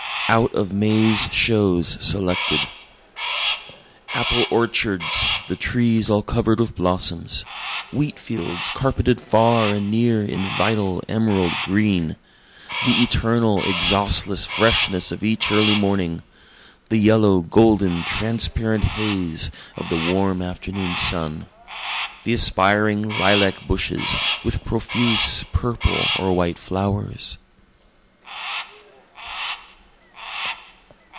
Out of May's Shows Selected Apple orchards, the trees all cover'd with blossoms; Wheat fields carpeted far and near in vital emerald green; The eternal, exhaustless freshness of each early morning; The yellow, golden, transparent haze of the warm afternoon sun; The aspiring lilac bushes with profuse purple or white flowers.